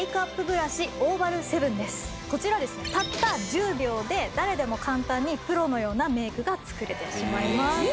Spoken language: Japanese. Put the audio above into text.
こちらですねたった１０秒で誰でも簡単にプロのようなメイクが作れてしまいます。